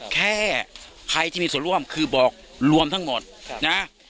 แค่ใครที่มีส่วนร่วมคือบอกรวมทั้งหมดนะ